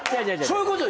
そういうこと。